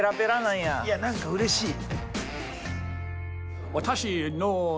いや何かうれしい。